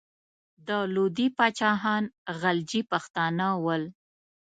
د لودي پاچاهان غلجي پښتانه ول.